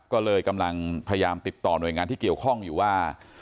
ก็เลยกำลังพยายามติดต่อหน่วยงานที่เกี่ยวข้องอยู่ว่า